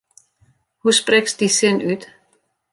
Hoe sprekst dy sin út?